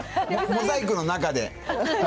モザイクの中で。